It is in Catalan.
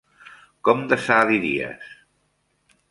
Com de sa, diries?